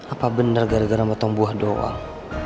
apa bener gara gara potong buah doang